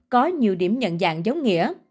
có nhiều điểm nhận dạng giống nghĩa